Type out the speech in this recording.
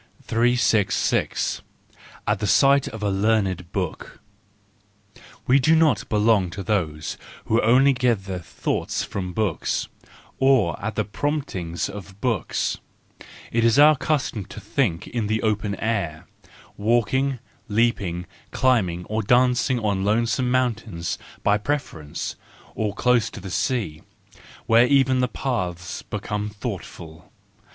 At the Sight of a Learned Book .—We do not belong to those who only get their thoughts from books, or at the prompting of books,—it is our custom to think in the open air, walking, leaping, climbing, or dancing on lonesome mountains by preference, or close to the sea, where even the paths become thoughtful.